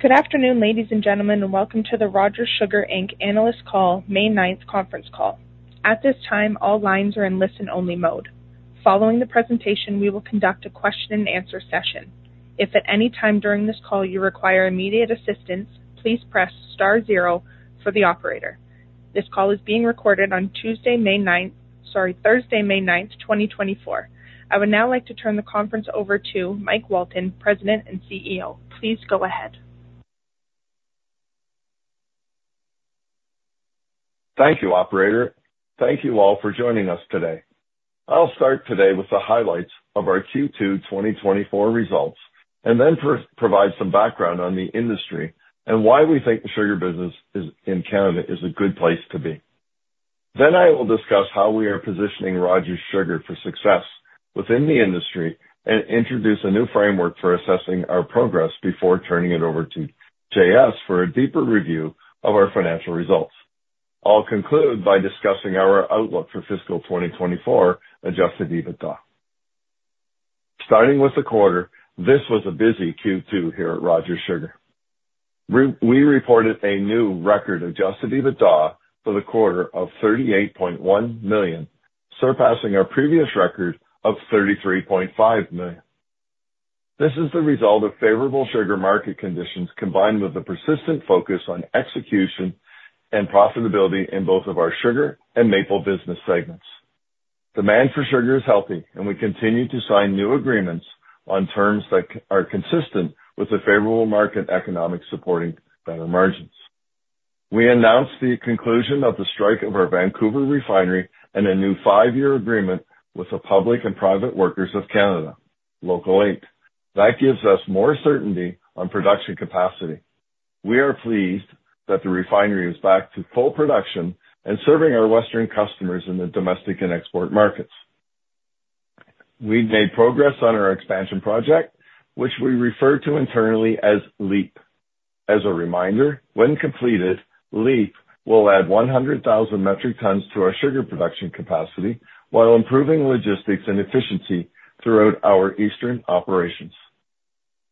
Good afternoon, ladies and gentlemen, and welcome to the Rogers Sugar Inc. analyst call, May 9th conference call. At this time, all lines are in listen-only mode. Following the presentation, we will conduct a question-and-answer session. If at any time during this call you require immediate assistance, please press star zero for the operator. This call is being recorded on Tuesday, 9 May, sorry, Thursday, 9 May 2024. I would now like to turn the conference over to Mike Walton, President and CEO. Please go ahead. Thank you, Operator. Thank you all for joining us today. I'll start today with the highlights of our Q2 2024 results and then provide some background on the industry and why we think the sugar business is in Canada is a good place to be. Then I will discuss how we are positioning Rogers Sugar for success within the industry and introduce a new framework for assessing our progress before turning it over to JS for a deeper review of our financial results. I'll conclude by discussing our outlook for fiscal 2024 adjusted EBITDA. Starting with the quarter, this was a busy Q2 here at Rogers Sugar. We reported a new record adjusted EBITDA for the quarter of 38.1 million, surpassing our previous record of 33.5 million. This is the result of favorable sugar market conditions combined with a persistent focus on execution and profitability in both of our sugar and maple business segments. Demand for sugar is healthy, and we continue to sign new agreements on terms that are consistent with a favorable market economic supporting better margins. We announced the conclusion of the strike of our Vancouver refinery and a new five-year agreement with the Public and Private Workers of Canada, Local 8. That gives us more certainty on production capacity. We are pleased that the refinery is back to full production and serving our Western customers in the domestic and export markets. We've made progress on our expansion project, which we refer to internally as LEAP. As a reminder, when completed, LEAP will add 100,000 metric tons to our sugar production capacity while improving logistics and efficiency throughout our eastern operations.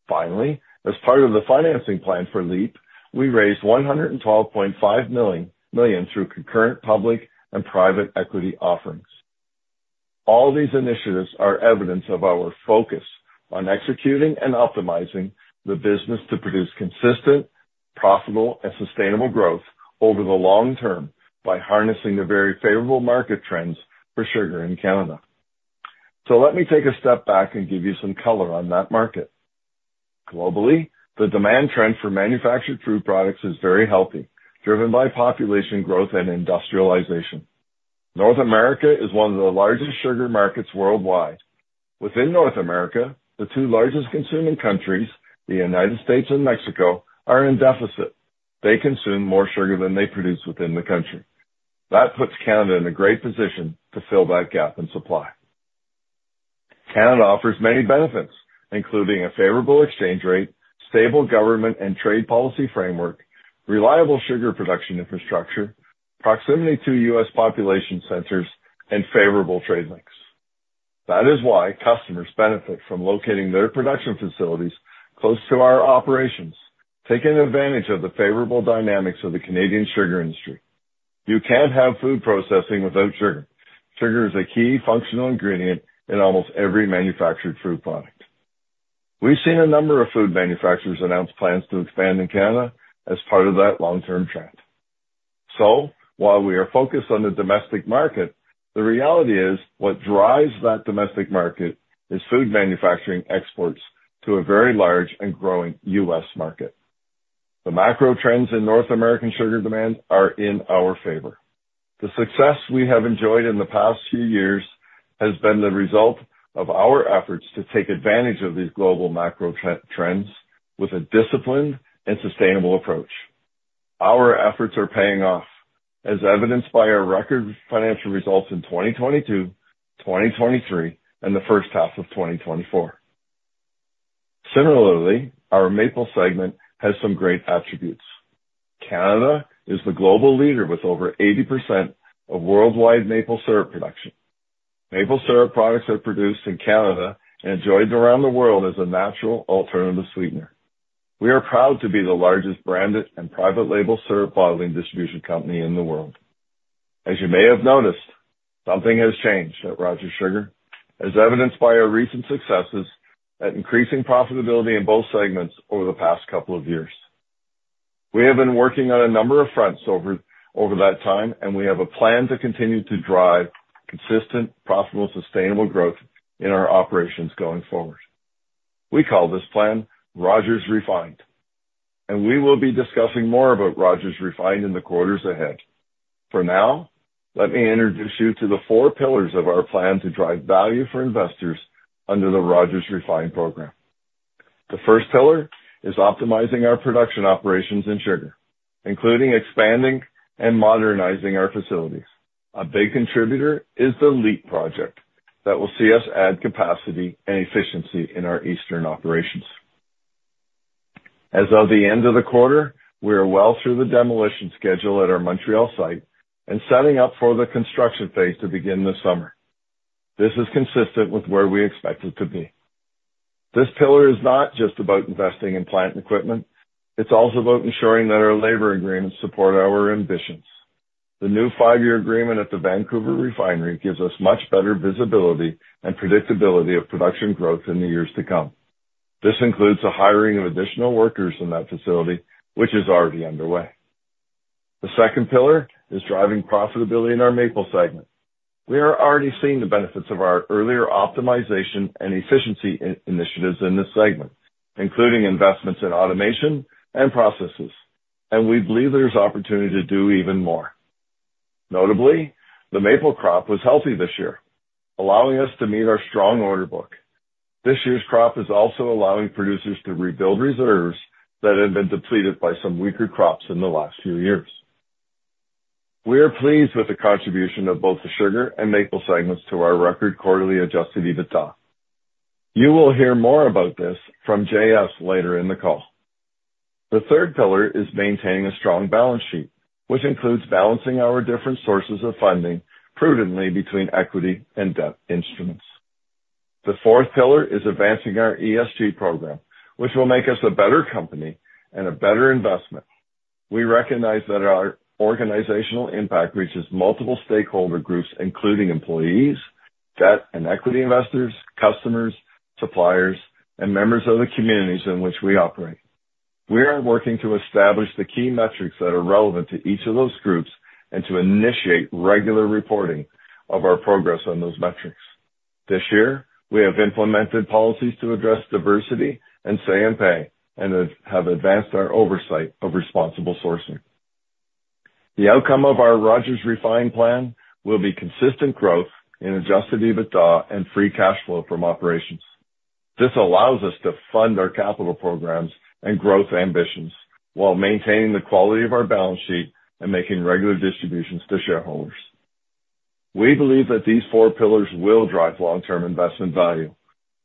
Finally, as part of the financing plan for LEAP, we raised 112.5 million through concurrent public and private equity offerings. All these initiatives are evidence of our focus on executing and optimizing the business to produce consistent, profitable, and sustainable growth over the long term by harnessing the very favorable market trends for sugar in Canada. So let me take a step back and give you some color on that market. Globally, the demand trend for manufactured fruit products is very healthy, driven by population growth and industrialization. North America is one of the largest sugar markets worldwide. Within North America, the two largest consuming countries, the United States and Mexico, are in deficit. They consume more sugar than they produce within the country. That puts Canada in a great position to fill that gap in supply. Canada offers many benefits, including a favorable exchange rate, stable government and trade policy framework, reliable sugar production infrastructure, proximity to U.S. population centers, and favorable trade links. That is why customers benefit from locating their production facilities close to our operations, taking advantage of the favorable dynamics of the Canadian sugar industry. You can't have food processing without sugar. Sugar is a key functional ingredient in almost every manufactured fruit product. We've seen a number of food manufacturers announce plans to expand in Canada as part of that long-term trend. So while we are focused on the domestic market, the reality is what drives that domestic market is food manufacturing exports to a very large and growing U.S. market. The macro trends in North American sugar demand are in our favor. The success we have enjoyed in the past few years has been the result of our efforts to take advantage of these global macro trends with a disciplined and sustainable approach. Our efforts are paying off, as evidenced by our record financial results in 2022, 2023, and the H1 of 2024. Similarly, our maple segment has some great attributes. Canada is the global leader with over 80% of worldwide maple syrup production. Maple syrup products are produced in Canada and enjoyed around the world as a natural alternative sweetener. We are proud to be the largest branded and private label syrup bottling distribution company in the world. As you may have noticed, something has changed at Rogers Sugar, as evidenced by our recent successes at increasing profitability in both segments over the past couple of years. We have been working on a number of fronts over that time, and we have a plan to continue to drive consistent, profitable, sustainable growth in our operations going forward. We call this plan Rogers Refined, and we will be discussing more about Rogers Refined in the quarters ahead. For now, let me introduce you to the four pillars of our plan to drive value for investors under the Rogers Refined program. The first pillar is optimizing our production operations in sugar, including expanding and modernizing our facilities. A big contributor is the LEAP project that will see us add capacity and efficiency in our eastern operations. As of the end of the quarter, we are well through the demolition schedule at our Montreal site and setting up for the construction phase to begin this summer. This is consistent with where we expect it to be. This pillar is not just about investing in plant equipment. It's also about ensuring that our labor agreements support our ambitions. The new five-year agreement at the Vancouver refinery gives us much better visibility and predictability of production growth in the years to come. This includes a hiring of additional workers in that facility, which is already underway. The second pillar is driving profitability in our maple segment. We are already seeing the benefits of our earlier optimization and efficiency initiatives in this segment, including investments in automation and processes, and we believe there's opportunity to do even more. Notably, the maple crop was healthy this year, allowing us to meet our strong order book. This year's crop is also allowing producers to rebuild reserves that had been depleted by some weaker crops in the last few years. We are pleased with the contribution of both the sugar and maple segments to our record quarterly Adjusted EBITDA. You will hear more about this from JS later in the call. The third pillar is maintaining a strong balance sheet, which includes balancing our different sources of funding prudently between equity and debt instruments. The fourth pillar is advancing our ESG program, which will make us a better company and a better investment. We recognize that our organizational impact reaches multiple stakeholder groups, including employees, debt and equity investors, customers, suppliers, and members of the communities in which we operate. We are working to establish the key metrics that are relevant to each of those groups and to initiate regular reporting of our progress on those metrics. This year, we have implemented policies to address diversity and say on pay and have advanced our oversight of responsible sourcing. The outcome of our Rogers Refined plan will be consistent growth in Adjusted EBITDA and free cash flow from operations. This allows us to fund our capital programs and growth ambitions while maintaining the quality of our balance sheet and making regular distributions to shareholders. We believe that these four pillars will drive long-term investment value.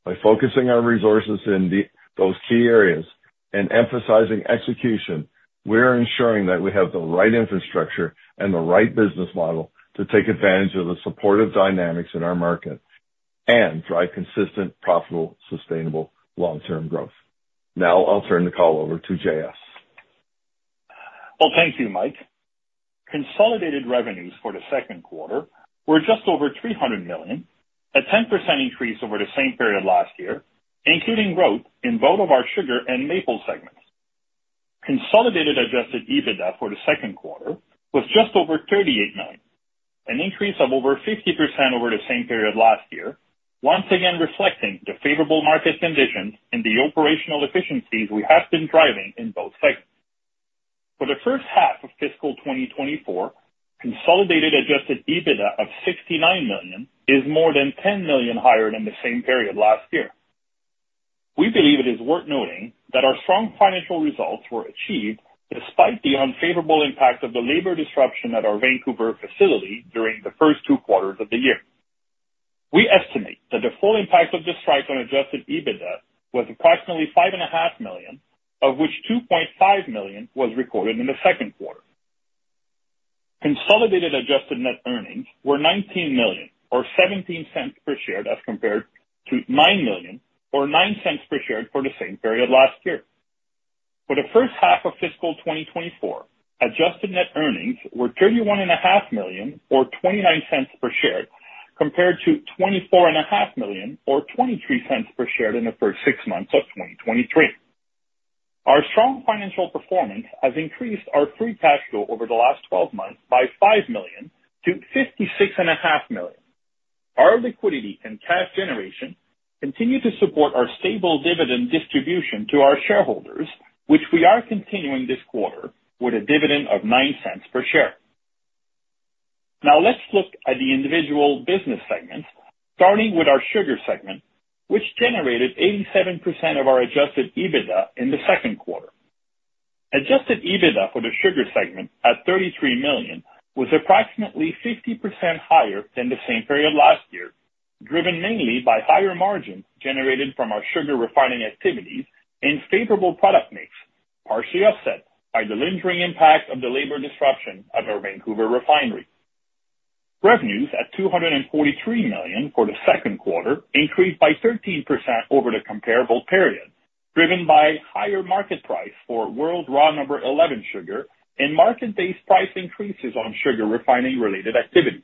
By focusing our resources in those key areas and emphasizing execution, we are ensuring that we have the right infrastructure and the right business model to take advantage of the supportive dynamics in our market and drive consistent, profitable, sustainable long-term growth. Now I'll turn the call over to JS. Well, thank you, Mike. Consolidated revenues for the Q2 were just over 300 million, a 10% increase over the same period last year, including growth in both of our sugar and maple segments. Consolidated adjusted EBITDA for the Q2 was just over 38 million, an increase of over 50% over the same period last year, once again reflecting the favorable market conditions and the operational efficiencies we have been driving in both segments. For the H1 of fiscal 2024, consolidated adjusted EBITDA of 69 million is more than 10 million higher than the same period last year. We believe it is worth noting that our strong financial results were achieved despite the unfavorable impact of the labor disruption at our Vancouver facility during the first two quarters of the year. We estimate that the full impact of the strike on Adjusted EBITDA was approximately 5.5 million, of which 2.5 million was recorded in the Q2. Consolidated adjusted net earnings were 19 million or 0.17 per share as compared to 9 million or 0.09 per share for the same period last year. For the H1 of fiscal 2024, adjusted net earnings were CAD 31.5 million or 0.29 per share compared to CAD 24.5 million or 0.23 per share in the first six months of 2023. Our strong financial performance has increased our free cash flow over the last 12 months by 5 million to 56.5 million. Our liquidity and cash generation continue to support our stable dividend distribution to our shareholders, which we are continuing this quarter with a dividend of 0.09 per share. Now let's look at the individual business segments, starting with our sugar segment, which generated 87% of our adjusted EBITDA in the Q2. Adjusted EBITDA for the sugar segment at CAD 33 million was approximately 50% higher than the same period last year, driven mainly by higher margins generated from our sugar refining activities and favorable product mix, partially offset by the lingering impact of the labor disruption at our Vancouver refinery. Revenues at CAD 243 million for the Q2 increased by 13% over the comparable period, driven by higher market price for World Raw Number 11 Sugar and market-based price increases on sugar refining-related activities.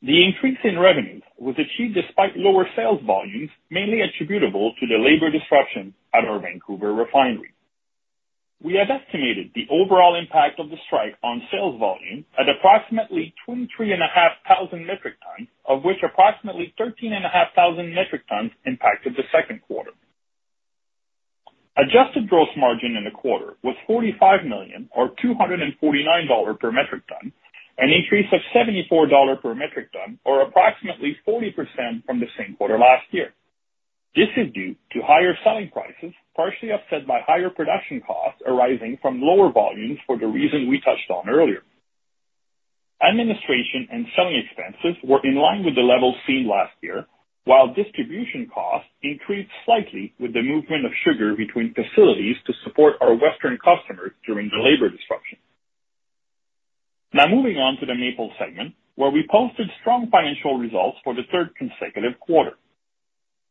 The increase in revenues was achieved despite lower sales volumes, mainly attributable to the labor disruption at our Vancouver refinery. We have estimated the overall impact of the strike on sales volume at approximately 23,500 metric tons, of which approximately 13,500 metric tons impacted the Q2. Adjusted Gross Margin in the quarter was 45 million or 249 dollar per metric ton, an increase of 74 dollar per metric ton or approximately 40% from the same quarter last year. This is due to higher selling prices, partially offset by higher production costs arising from lower volumes for the reason we touched on earlier. Administration and selling expenses were in line with the levels seen last year, while distribution costs increased slightly with the movement of sugar between facilities to support our Western customers during the labor disruption. Now moving on to the maple segment, where we posted strong financial results for the third consecutive quarter.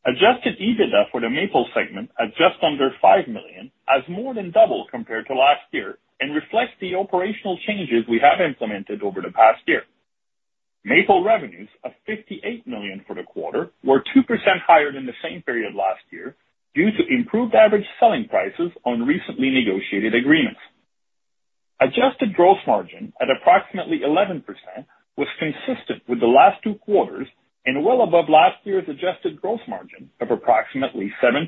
Adjusted EBITDA for the maple segment at just under 5 million has more than doubled compared to last year and reflects the operational changes we have implemented over the past year. Maple revenues of 58 million for the quarter were 2% higher than the same period last year due to improved average selling prices on recently negotiated agreements. Adjusted gross margin at approximately 11% was consistent with the last two quarters and well above last year's adjusted gross margin of approximately 7%,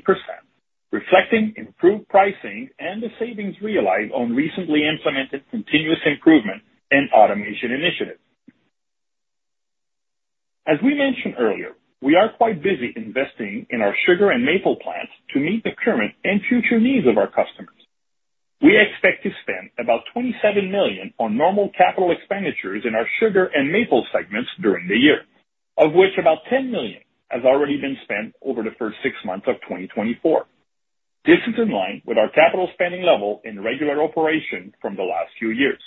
reflecting improved pricing and the savings realized on recently implemented continuous improvement and automation initiatives. As we mentioned earlier, we are quite busy investing in our sugar and maple plants to meet the current and future needs of our customers. We expect to spend about CAD 27 million on normal capital expenditures in our sugar and maple segments during the year, of which about 10 million has already been spent over the first six months of 2024. This is in line with our capital spending level in regular operation from the last few years.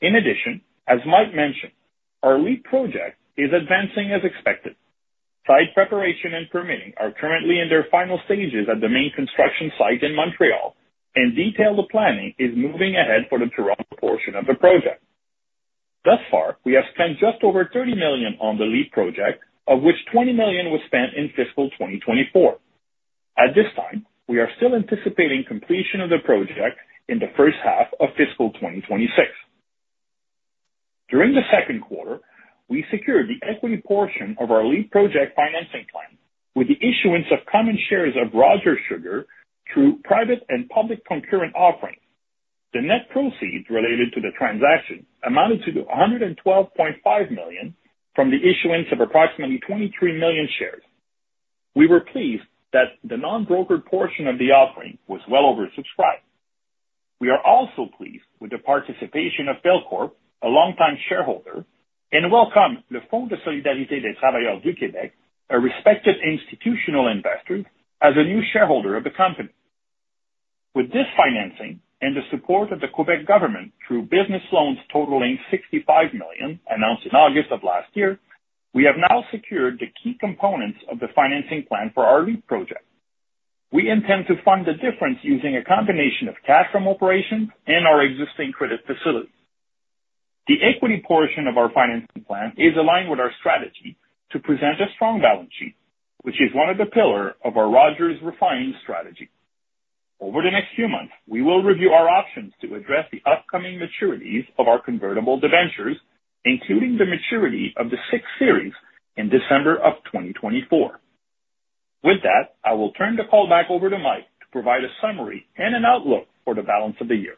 In addition, as Mike mentioned, our LEAP project is advancing as expected. Site preparation and permitting are currently in their final stages at the main construction site in Montreal, and detailed planning is moving ahead for the Toronto portion of the project. Thus far, we have spent just over CAD 30 million on the LEAP project, of which CAD 20 million was spent in fiscal 2024. At this time, we are still anticipating completion of the project in the H1 of fiscal 2026. During the Q2, we secured the equity portion of our LEAP project financing plan with the issuance of common shares of Rogers Sugar through private and public concurrent offerings. The net proceeds related to the transaction amounted to 112.5 million from the issuance of approximately 23 million shares. We were pleased that the non-brokered portion of the offering was well oversubscribed. We are also pleased with the participation of Belkorp, a longtime shareholder, and welcome Le Fonds de solidarité des travailleurs du Québec, a respected institutional investor, as a new shareholder of the company. With this financing and the support of the Québec government through business loans totaling 65 million announced in August of last year, we have now secured the key components of the financing plan for our LEAP project. We intend to fund the difference using a combination of cash from operations and our existing credit facility. The equity portion of our financing plan is aligned with our strategy to present a strong balance sheet, which is one of the pillars of our Rogers Refined strategy. Over the next few months, we will review our options to address the upcoming maturities of our convertible debentures, including the maturity of the sixth series in December of 2024. With that, I will turn the call back over to Mike to provide a summary and an outlook for the balance of the year.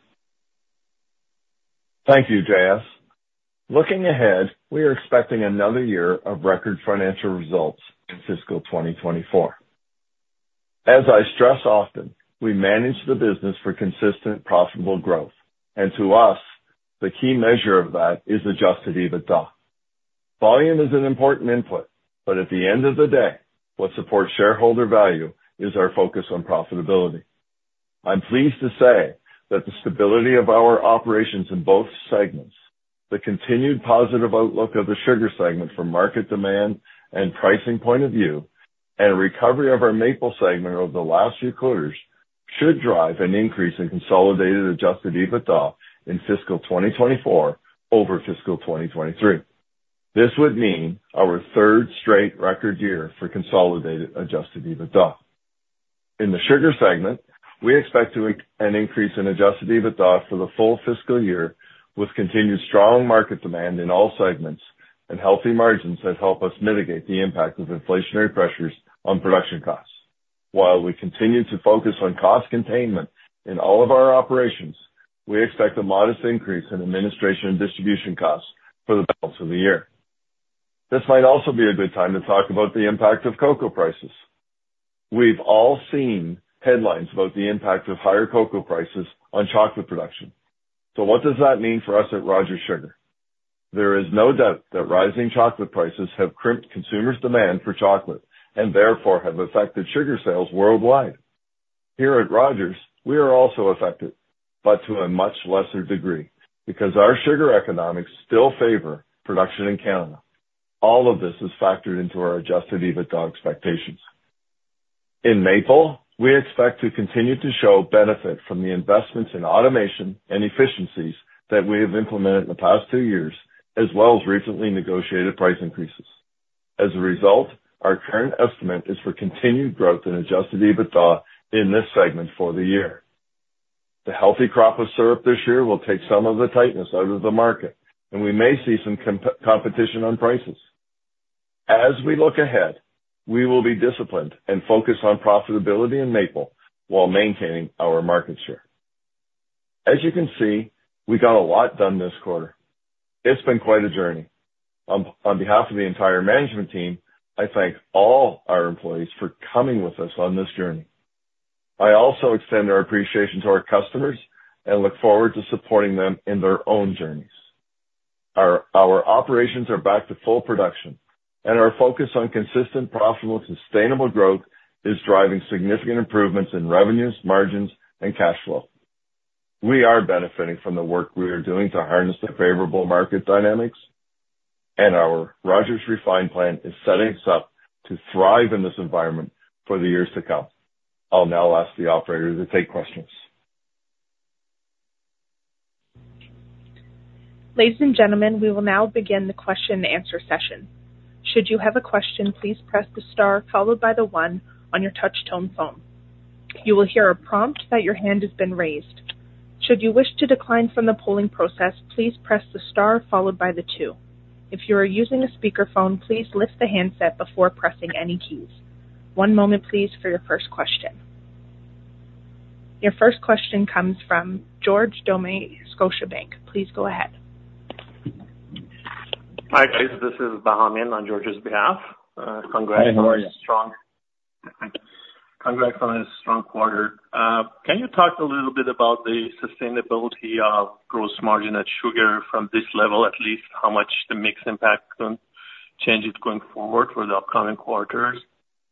Thank you, JS. Looking ahead, we are expecting another year of record financial results in fiscal 2024. As I stress often, we manage the business for consistent, profitable growth, and to us, the key measure of that is Adjusted EBITDA. Volume is an important input, but at the end of the day, what supports shareholder value is our focus on profitability. I'm pleased to say that the stability of our operations in both segments, the continued positive outlook of the sugar segment from market demand and pricing point of view, and recovery of our maple segment over the last few quarters should drive an increase in consolidated Adjusted EBITDA in fiscal 2024 over fiscal 2023. This would mean our third straight record year for consolidated Adjusted EBITDA. In the sugar segment, we expect an increase in Adjusted EBITDA for the full fiscal year with continued strong market demand in all segments and healthy margins that help us mitigate the impact of inflationary pressures on production costs. While we continue to focus on cost containment in all of our operations, we expect a modest increase in administration and distribution costs for the balance of the year. This might also be a good time to talk about the impact of cocoa prices. We've all seen headlines about the impact of higher cocoa prices on chocolate production. So what does that mean for us at Rogers Sugar? There is no doubt that rising chocolate prices have crimped consumers' demand for chocolate and therefore have affected sugar sales worldwide. Here at Rogers, we are also affected, but to a much lesser degree because our sugar economics still favor production in Canada. All of this is factored into our Adjusted EBITDA expectations. In maple, we expect to continue to show benefit from the investments in automation and efficiencies that we have implemented in the past two years, as well as recently negotiated price increases. As a result, our current estimate is for continued growth in Adjusted EBITDA in this segment for the year. The healthy crop of syrup this year will take some of the tightness out of the market, and we may see some competition on prices. As we look ahead, we will be disciplined and focus on profitability in maple while maintaining our market share. As you can see, we got a lot done this quarter. It's been quite a journey. On behalf of the entire management team, I thank all our employees for coming with us on this journey. I also extend our appreciation to our customers and look forward to supporting them in their own journeys. Our operations are back to full production, and our focus on consistent, profitable, sustainable growth is driving significant improvements in revenues, margins, and cash flow. We are benefiting from the work we are doing to harness the favorable market dynamics, and our Rogers Refined plan is setting us up to thrive in this environment for the years to come. I'll now ask the operator to take questions. Ladies and gentlemen, we will now begin the question-and-answer session. Should you have a question, please press the star followed by the one on your touch-tone phone. You will hear a prompt that your hand has been raised. Should you wish to decline from the polling process, please press the star followed by the two. If you are using a speakerphone, please lift the handset before pressing any keys. One moment, please, for your first question. Your first question comes from George Doumet, Scotiabank. Please go ahead. Hi guys. This is Bhamini on George's behalf. Congrats on a strong quarter. Can you talk a little bit about the sustainability of gross margin at sugar from this level, at least how much the mix impact can change going forward for the upcoming quarters?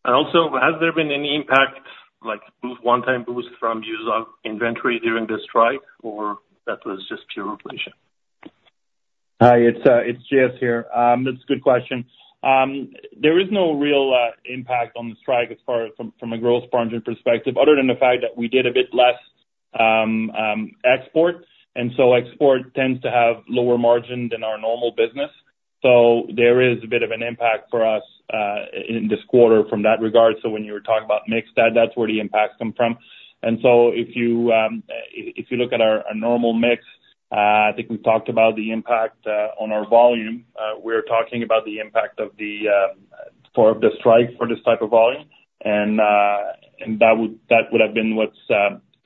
And also, has there been any impact, like one-time boost from use of inventory during the strike, or that was just pure inflation? Hi. It's JS here. That's a good question. There is no real impact from the strike as far as a gross margin perspective, other than the fact that we did a bit less export, and so export tends to have lower margin than our normal business. There is a bit of an impact for us in this quarter in that regard. When you were talking about mix, that's where the impact comes from. If you look at our normal mix, I think we talked about the impact on our volume. We are talking about the impact of the strike for this type of volume, and that would have been what's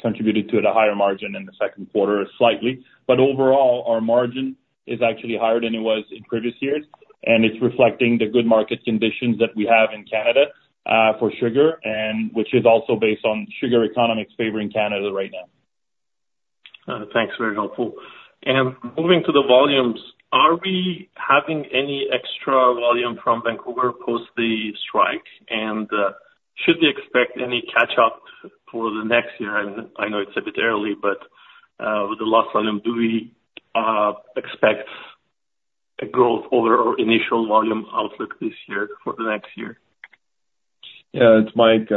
contributed to the higher margin in the Q2 slightly. Overall, our margin is actually higher than it was in previous years, and it's reflecting the good market conditions that we have in Canada for sugar, which is also based on sugar economics favoring Canada right now. Thanks. Very helpful. Moving to the volumes, are we having any extra volume from Vancouver post the strike, and should we expect any catch-up for the next year? I know it's a bit early, but with the loss volume, do we expect a growth over our initial volume outlook this year for the next year? Yeah. It's Mike.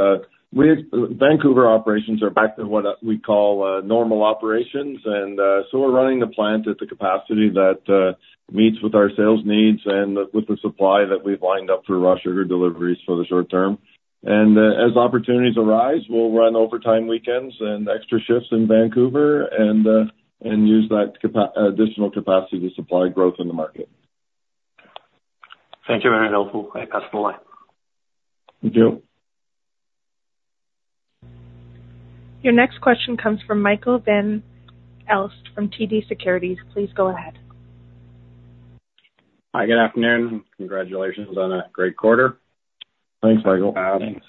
Vancouver operations are back to what we call normal operations, and so we're running the plant at the capacity that meets with our sales needs and with the supply that we've lined up for raw sugar deliveries for the short term. As opportunities arise, we'll run overtime weekends and extra shifts in Vancouver and use that additional capacity to supply growth in the market. Thank you. Very helpful. I pass the mic. Thank you. Your next question comes from Michael Van Aelst from TD Securities. Please go ahead. Hi. Good afternoon. Congratulations on a great quarter. Thanks, Michael. Thanks.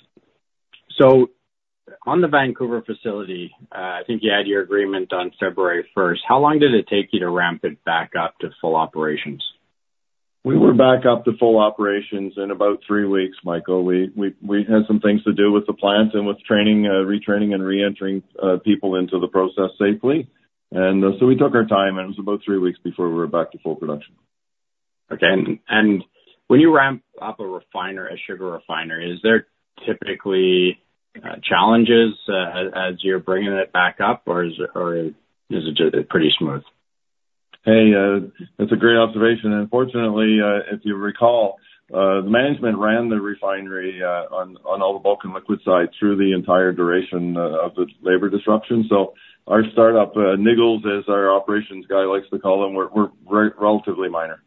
On the Vancouver facility, I think you had your agreement on February 1st. How long did it take you to ramp it back up to full operations? We were back up to full operations in about 3 weeks, Michael. We had some things to do with the plant and with retraining and reentering people into the process safely. And so we took our time, and it was about 3 weeks before we were back to full production. Okay. When you ramp up a refiner, a sugar refiner, is there typically challenges as you're bringing it back up, or is it pretty smooth? Hey, that's a great observation. Unfortunately, if you recall, the management ran the refinery on all the bulk and liquid side through the entire duration of the labor disruption. So our startup niggles, as our operations guy likes to call them, were relatively minor.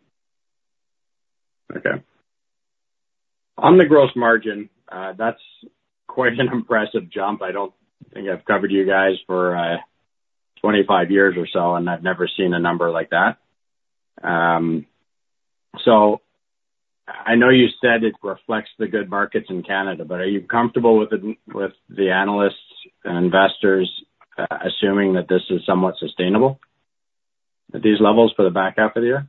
Okay. On the gross margin, that's quite an impressive jump. I don't think I've covered you guys for 25 years or so, and I've never seen a number like that. So I know you said it reflects the good markets in Canada, but are you comfortable with the analysts and investors assuming that this is somewhat sustainable at these levels for the back half of the year?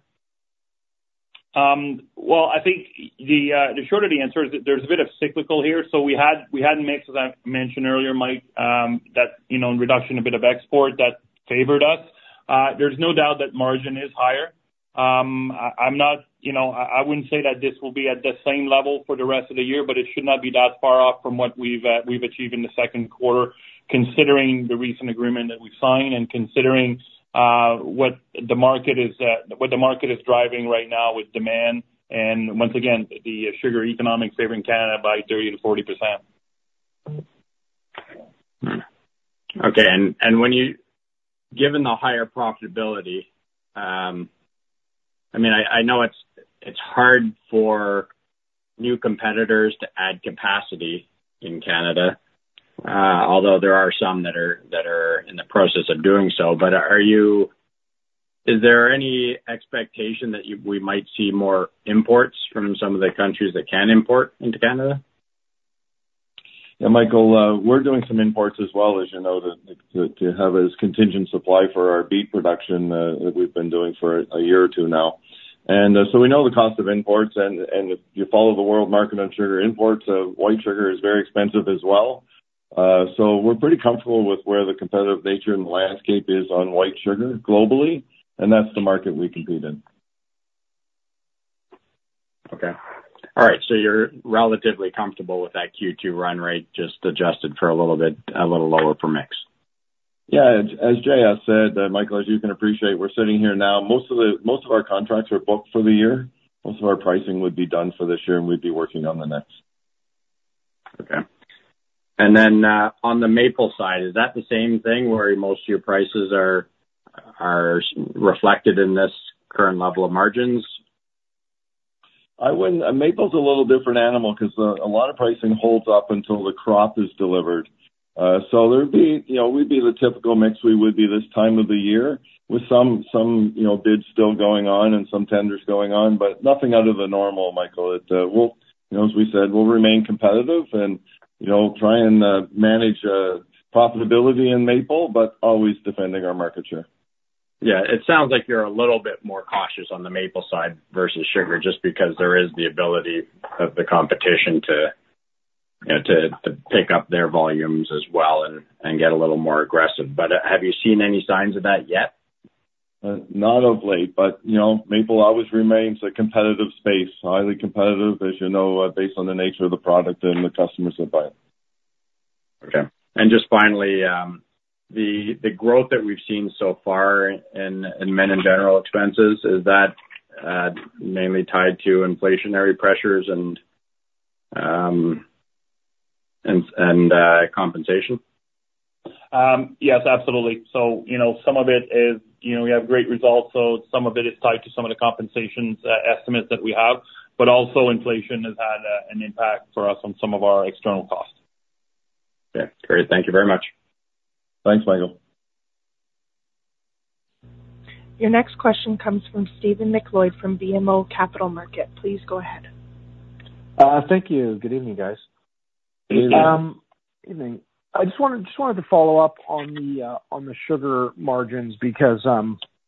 Well, I think the shorter the answer is that there's a bit of cyclical here. So we had mixes, as I mentioned earlier, Mike, that reduction a bit of export that favored us. There's no doubt that margin is higher. I wouldn't say that this will be at the same level for the rest of the year, but it should not be that far off from what we've achieved in the Q2, considering the recent agreement that we've signed and considering what the market is driving right now with demand and, once again, the sugar economic favoring Canada by 30%-40%. Okay. And given the higher profitability, I mean, I know it's hard for new competitors to add capacity in Canada, although there are some that are in the process of doing so. But is there any expectation that we might see more imports from some of the countries that can import into Canada? Yeah, Michael. We're doing some imports as well, as you know, to have a contingent supply for our beet production that we've been doing for a year or two now. And so we know the cost of imports, and if you follow the world market on sugar imports, white sugar is very expensive as well. So we're pretty comfortable with where the competitive nature and the landscape is on white sugar globally, and that's the market we compete in. Okay. All right. So you're relatively comfortable with that Q2 run rate just adjusted for a little bit lower per mix. Yeah. As JS said, Michael, as you can appreciate, we're sitting here now. Most of our contracts are booked for the year. Most of our pricing would be done for this year, and we'd be working on the next. Okay. And then on the maple side, is that the same thing where most of your prices are reflected in this current level of margins? Maple's a little different animal because a lot of pricing holds up until the crop is delivered. So we'd be the typical mix. We would be this time of the year with some bids still going on and some tenders going on, but nothing out of the normal, Michael. As we said, we'll remain competitive and try and manage profitability in maple, but always defending our market share. Yeah. It sounds like you're a little bit more cautious on the maple side versus sugar just because there is the ability of the competition to pick up their volumes as well and get a little more aggressive. But have you seen any signs of that yet? Not of late, but maple always remains a competitive space, highly competitive, as you know, based on the nature of the product and the customers that buy it. Okay. And just finally, the growth that we've seen so far in SG&A expenses, is that mainly tied to inflationary pressures and compensation? Yes, absolutely. So some of it is we have great results, so some of it is tied to some of the compensation estimates that we have. But also, inflation has had an impact for us on some of our external costs. Okay. Great. Thank you very much. Thanks, Michael. Your next question comes from Stephen MacLeod from BMO Capital Markets. Please go ahead. Thank you. Good evening, guys. Good evening. Good evening. I just wanted to follow up on the sugar margins because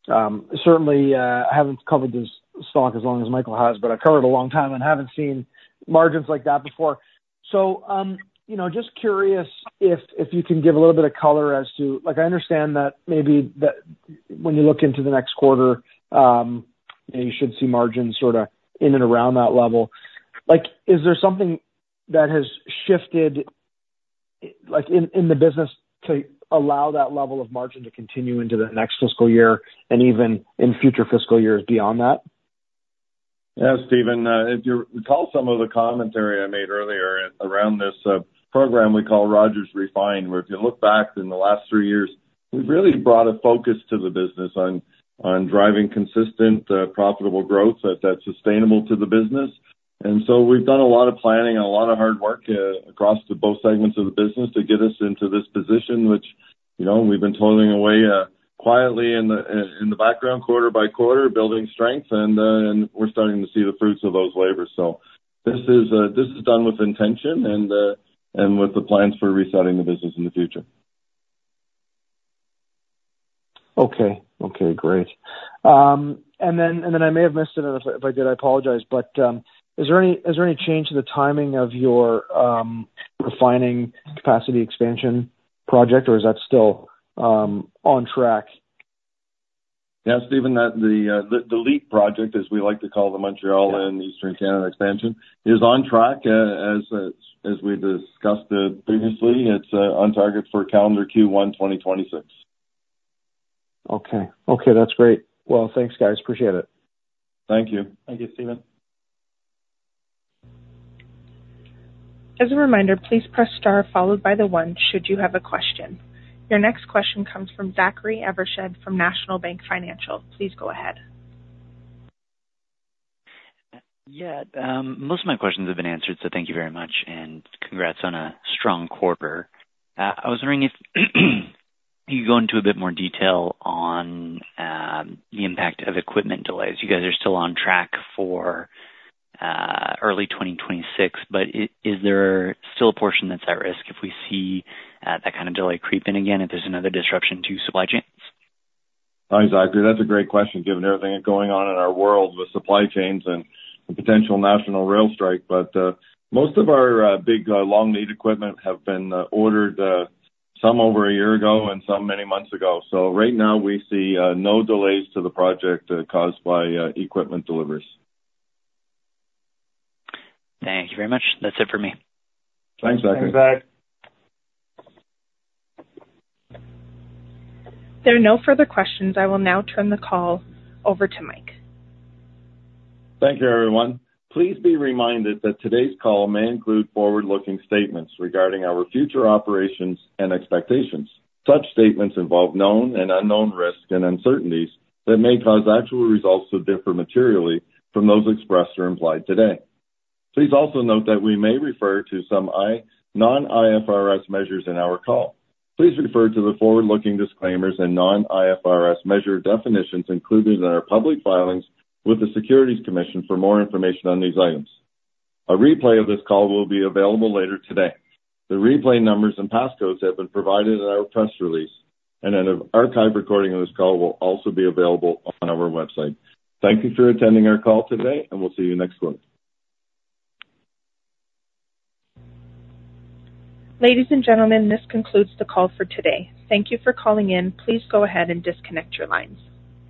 certainly, I haven't covered this stock as long as Michael has, but I've covered it a long time and haven't seen margins like that before. So just curious if you can give a little bit of color as to I understand that maybe when you look into the next quarter, you should see margins sort of in and around that level. Is there something that has shifted in the business to allow that level of margin to continue into the next fiscal year and even in future fiscal years beyond that? Yeah, Stephen. If you recall some of the commentary I made earlier around this program we call Rogers Refined, where if you look back in the last three years, we've really brought a focus to the business on driving consistent, profitable growth that's sustainable to the business. And so we've done a lot of planning and a lot of hard work across both segments of the business to get us into this position, which we've been toiling away quietly in the background quarter by quarter, building strength, and we're starting to see the fruits of those labors. So this is done with intention and with the plans for resetting the business in the future. Okay. Okay. Great. And then I may have missed it, and if I did, I apologize. But is there any change to the timing of your refining capacity expansion project, or is that still on track? Yeah, Stephen. The LEAP project, as we like to call the Montreal and Eastern Canada expansion, is on track. As we discussed previously, it's on target for calendar Q1 2026. Okay. Okay. That's great. Well, thanks, guys. Appreciate it. Thank you. Thank you, Stephen. As a reminder, please press star followed by the 1 should you have a question. Your next question comes from Zachary Evershed from National Bank Financial. Please go ahead. Yeah. Most of my questions have been answered, so thank you very much, and congrats on a strong quarter. I was wondering if you could go into a bit more detail on the impact of equipment delays. You guys are still on track for early 2026, but is there still a portion that's at risk if we see that kind of delay creep in again, if there's another disruption to supply chains? Oh, exactly. That's a great question given everything going on in our world with supply chains and the potential national rail strike. But most of our big long-lead equipment have been ordered some over a year ago and some many months ago. So right now, we see no delays to the project caused by equipment deliveries. Thank you very much. That's it for me. Thanks, Zachary. Thanks, Zach. There are no further questions. I will now turn the call over to Mike. Thank you, everyone. Please be reminded that today's call ay include forward-looking statements regarding our future operations and expectations. Such statements involve known and unknown risks and uncertainties that may cause actual results to differ materially from those expressed or implied today. Please also note that we may refer to some non-IFRS measures in our call. Please refer to the forward-looking disclaimers and non-IFRS measure definitions included in our public filings with the Securities Commission for more information on these items. A replay of this call will be available later today. The replay numbers and passcodes have been provided in our press release, and an archived recording of this call will also be available on our website. Thank you for attending our call today, and we'll see you next quarter. Ladies and gentlemen, this concludes the call for today. Thank you for calling in. Please go ahead and disconnect your lines.